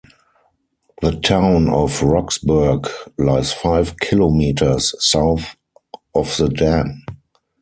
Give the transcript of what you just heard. The town of Roxburgh lies five kilometres south of the Dam.